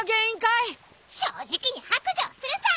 正直に白状するさ！